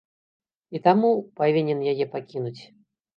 І таму павінен яе пакінуць.